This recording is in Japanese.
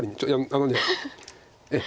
あのええ。